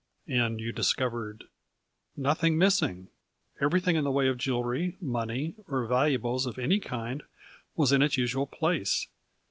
" And you discovered —?" Nothing missing. Everything in the way of jewelry, money or valuables of any kind was in its usual place.